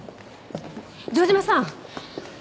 城島さん。